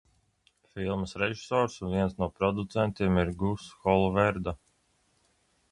Filmas režisors un viens no producentiem ir Guss Holverda.